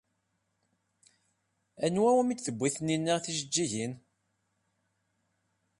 Anwa umi d-tewwi Taninna tijeǧǧigin?